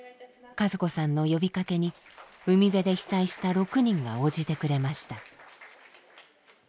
和子さんの呼びかけに海辺で被災した６人が応じてくれました。